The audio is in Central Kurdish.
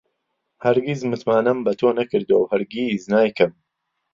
هەرگیز متمانەم بە تۆ نەکردووە و هەرگیز نایکەم.